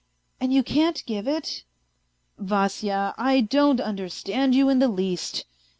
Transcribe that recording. . and you can't give it ?"" Vasya, I don't understand you in the least."